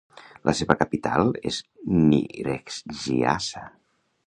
La seva capital és Nyíregyháza.